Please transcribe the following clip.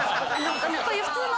こういう普通の。